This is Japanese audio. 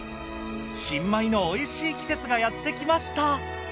新米のおいしい季節がやってきました。